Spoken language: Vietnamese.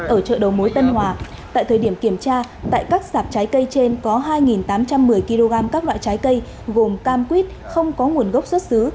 ở chợ đầu mối tân hòa tại thời điểm kiểm tra tại các sạp trái cây trên có hai tám trăm một mươi kg các loại trái cây gồm cam quýt không có nguồn gốc xuất xứ